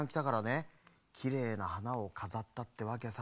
きれいなはなをかざったってわけさ。